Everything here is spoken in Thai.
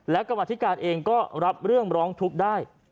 และกรรมธิการเองก็รับเรื่องร้องทุกข์ได้